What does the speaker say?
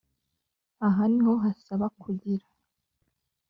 Aha ni ho hasaba kugira